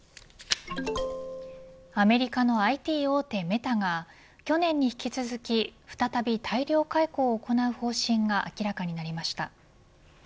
アメリカのＩＴ大手メタが去年に引き続き再び大量解雇を行う方針が明らかになりました。